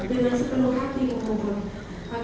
dengan sepeluh hati mengucapkan